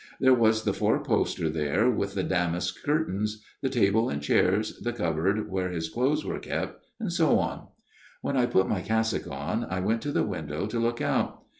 There was the four poster there with the damask curtains ; the table and chairs, the cupboard where his clothes were kept, and so on. * When I had put my cassock on, I went to the window to look out.